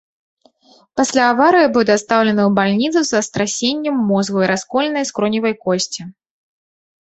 Пасля аварыі быў дастаўлены ў бальніцу са страсеннем мозгу і расколінай скроневай косці.